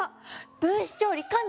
分子調理神！